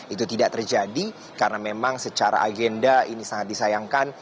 itu tidak terjadi karena memang secara agenda ini sangat disayangkan